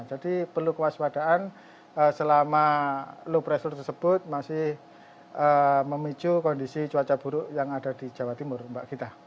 jadi perlu kewaspadaan selama low pressure tersebut masih memicu kondisi cuaca buluk yang ada di jawa timur mbak gita